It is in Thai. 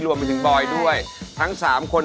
รวมไปถึงบอยด้วยทั้ง๓คน